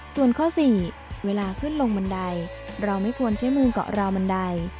ส่วนข้อ๔เวลาขึ้นลงบันไดเราไม่ควรใช้มือเกาะราวบันได